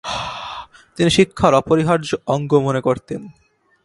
তিনি শিক্ষার অপরিহার্য অঙ্গ মনে করতেন।